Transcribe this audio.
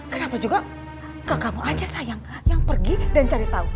kenapa juga kak kamu aja sayang yang pergi dan cari tahu